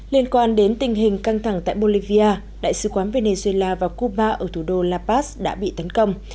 liên quan đến tình hình căng thẳng tại bolivia đại sứ quán venezuela và cuba ở thủ đô la paz đã bị tấn công